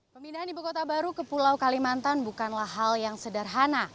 pemindahan ibu kota baru ke pulau kalimantan bukanlah hal yang sederhana